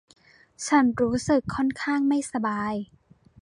ฉันรู้สึกค่อนข้างไม่สบาย